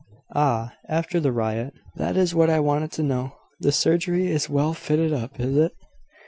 "Ah! after the riot; that is what I wanted to know. The surgery is well fitted up, is it?"